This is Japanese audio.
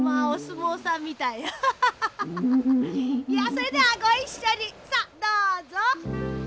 それではごいっしょにさあどうぞ。